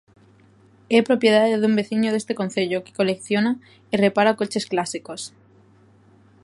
É propiedade dun veciño deste concello que colecciona e repara coches clásicos.